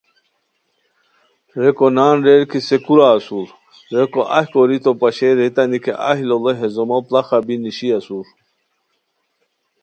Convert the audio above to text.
ریکو نان ریر کی سے کورا اسور؟ ریکو اہی کوری تو پشئے ریتانی کی اہی لوڑے ہے زومو پڑاخہ بی نیشی اسور